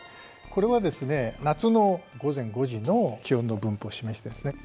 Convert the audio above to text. これはですね夏の午前５時の気温の分布を示しているんですね。